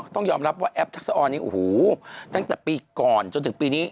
ต้องยอมรับว่าแอปทักษะออนนี้โอ้โหตั้งแต่ปีก่อนจนถึงปีนี้